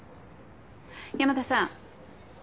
山田さん